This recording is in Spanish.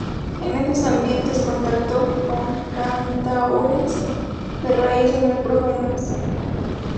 En esos ambientes contactó con cantaores de raíces muy profundas.